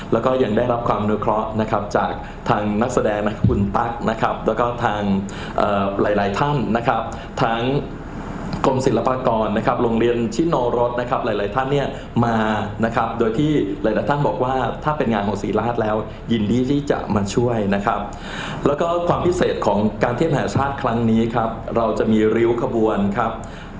แล้วก็ยังได้รับความอนุเคราะห์นะครับจากทางนักแสดงนะครับคุณตั๊กนะครับแล้วก็ทางหลายหลายท่านนะครับทั้งกรมศิลปากรนะครับโรงเรียนชิโนรสนะครับหลายหลายท่านเนี่ยมานะครับโดยที่หลายท่านบอกว่าถ้าเป็นงานของศรีราชแล้วยินดีที่จะมาช่วยนะครับแล้วก็ความพิเศษของการเทศมหาชาติครั้งนี้ครับเราจะมีริ้วขบวนครับ